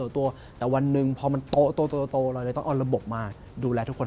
ตัวแต่วันหนึ่งพอมันโตเราเลยต้องเอาระบบมาดูแลทุกคน